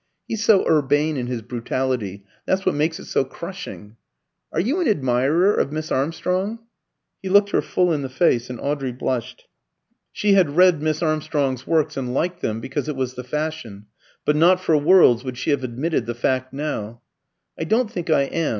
He's so urbane in his brutality; that's what makes it so crushing. Are you an admirer of Miss Armstrong?" He looked her full in the face, and Audrey blushed. She had read Miss Armstrong's works, and liked them, because it was the fashion; but not for worlds would she have admitted the fact now. "I don't think I am.